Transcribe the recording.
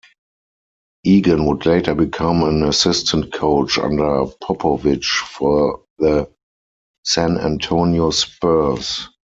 Egan would later become an assistant coach under Popovich for the San Antonio Spurs.